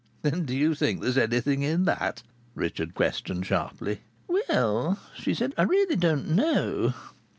"And do you think there's anything in that?" Richard questioned sharply. "Well," she said, "I really don't know."